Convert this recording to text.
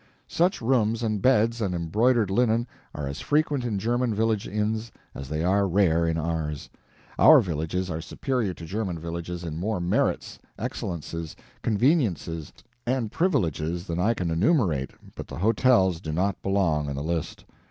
Such rooms and beds and embroidered linen are as frequent in German village inns as they are rare in ours. Our villages are superior to German villages in more merits, excellences, conveniences, and privileges than I can enumerate, but the hotels do not belong in the list.